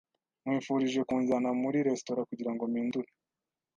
Nkwifurije kunjyana muri resitora kugirango mpindure.